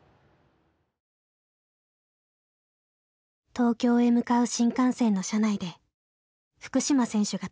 東京へ向かう新幹線の車内で福島選手が撮った写真です。